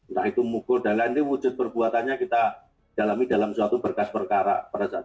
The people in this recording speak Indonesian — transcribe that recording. nah itu mukul dan lain ini wujud perbuatannya kita dalami dalam suatu berkas perkara pada saat